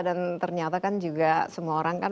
dan ternyata kan juga semua orang kan